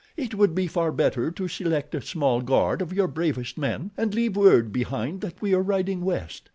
It would be far better to select a small guard of your bravest men, and leave word behind that we are riding WEST.